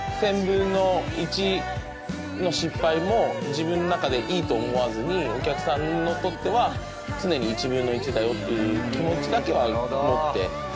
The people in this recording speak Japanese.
自分の中でいいと思わずにお客さんにとっては常に１分の１だよっていう気持ちだけは持って。